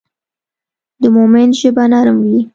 د مؤمن ژبه نرم وي.